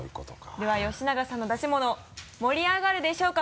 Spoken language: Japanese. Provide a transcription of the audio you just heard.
では吉永さんの出し物盛り上がるでしょうか？